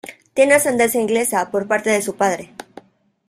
Tiene ascendencia Inglesa por parte de su padre.